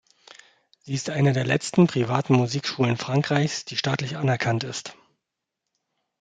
Sie ist eine der letzten privaten Musikschulen Frankreichs, die staatlich anerkannt ist.